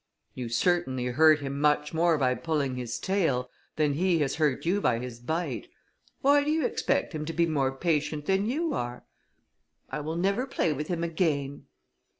"You certainly hurt him much more by pulling his tail, than he has hurt you by his bite; why do you expect him to be more patient than you are?" "I will never play with him again."